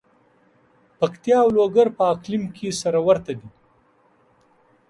پکتیا او لوګر په اقلیم کې سره ورته دي.